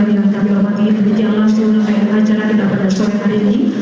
demikian saya berikan singkat ini